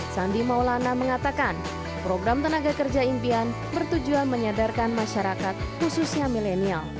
sandi maulana mengatakan program tenaga kerja impian bertujuan menyadarkan masyarakat khususnya milenial